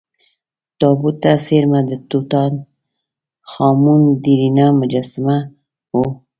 تابوت ته څېرمه د ټوټا ن خا مون ډبرینه مجسمه وه.